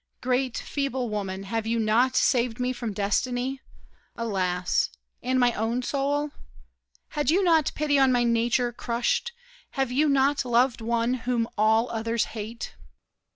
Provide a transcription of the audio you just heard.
Great, feeble woman, have you not saved me From destiny, alas! and my own soul? Had you not pity on my nature, crushed? Have you not loved one whom all others hate?